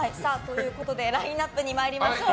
ラインアップに参りましょう。